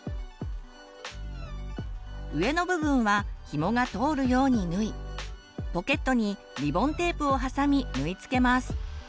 上の部分はヒモが通るように縫いポケットにリボンテープを挟み縫い付けます。